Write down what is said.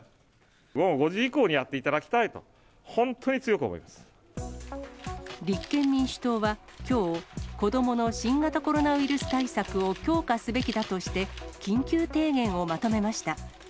午後５時以降にやっていただ立憲民主党はきょう、子どもの新型コロナウイルス対策を強化すべきだとして、緊急提言をまとめました。